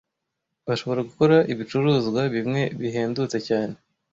Bashobora gukora ibicuruzwa bimwe bihendutse cyane.